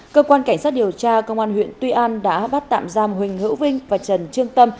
cơ quan cảnh sát điều tra công an huyện tuy an đã bắt tạm giam huỳnh hữu vinh và trần trương tâm